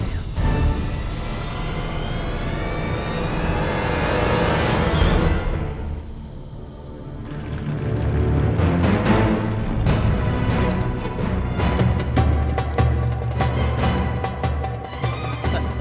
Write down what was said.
masakan oleh kalian